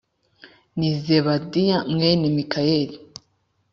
ni zebadiya mwene mikayeli